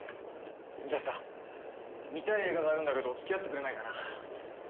じゃあさ見たい映画があるんだけど付き合ってくれないかな？